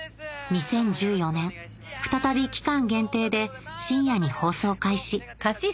２０１４年再び期間限定で深夜に放送開始